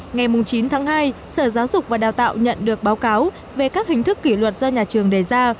ngày chín tháng hai sở giáo dục và đào tạo nhận được báo cáo về các hình thức kỷ luật do nhà trường đề ra